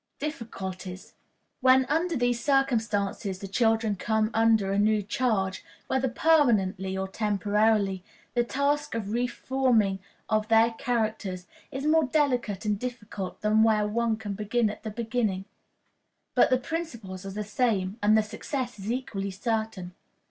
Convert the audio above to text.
Difficulties. When under these circumstances the children come under a new charge, whether permanently or temporarily, the task of re form in or their characters is more delicate and difficult than where one can begin at the beginning; but the principles are the same, and the success is equally certain.